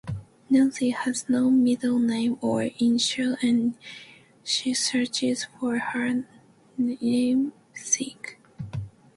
Nancy has no middle name or initial and she searches for her namesake.